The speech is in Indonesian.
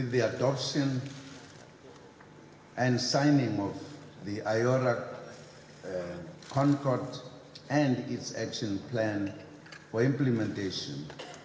dengan pengadilan dan penyelidikan iora concord dan pelan aksinya untuk diimplementasikan